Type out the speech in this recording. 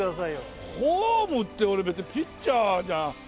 フォームって俺別にピッチャーじゃ。